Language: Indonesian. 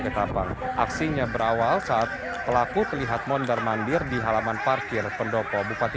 ketapang aksinya berawal saat pelaku terlihat mondar mandir di halaman parkir pendopo bupati